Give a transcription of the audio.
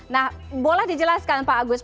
nah boleh dijelaskan pak agus